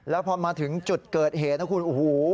แล้วพอมาถึงจุดเกิดเหตุนะคุณโอ้โห